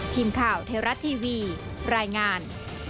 พิมพ์ข่าวเทราะต์ทีวีรายงาน